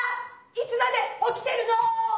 いつまでおきてるの！